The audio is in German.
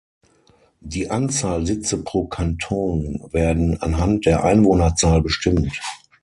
Die Anzahl Sitze pro Kanton werden anhand der Einwohnerzahl bestimmt.